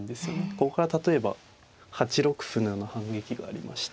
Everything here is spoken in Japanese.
ここから例えば８六歩のような反撃がありまして。